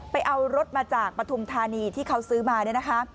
ไปเอารถมาจากปฐุมธานีที่เขาซื้อมาเนี่ยนะคะ